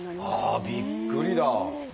ああびっくりだ！